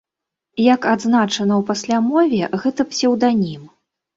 Як адзначана ў паслямове, гэта псеўданім.